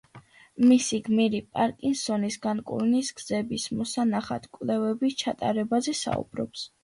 მისი გმირი პარკინსონის განკურნვის გზების მოსანახად კვლევების ჩატარებაზე საუბრობს.